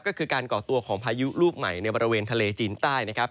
ก็คือการก่อตัวของพายุลูกใหม่ในบริเวณทะเลจีนใต้นะครับ